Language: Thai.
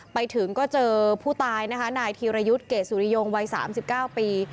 ไปถึงก็เจอผู้ตายนะคะนายธีรยุทธ์เกรดสุริยงวัย๓๙ปี